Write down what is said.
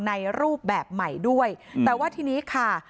ในรูปแบบใหม่ด้วยแต่ว่าทีนี้ค่ะ